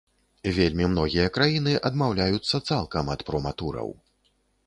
Вельмі многія краіны адмаўляюцца цалкам ад проматураў.